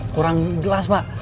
kurang jelas pak